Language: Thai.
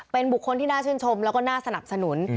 เป็นบุคคลที่น่าชื่นชมแล้วก็น่าสนับสนุน